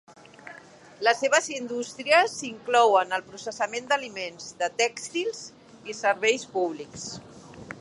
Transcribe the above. Les seves indústries inclouen el processament d'aliments, de tèxtils i serveis públics.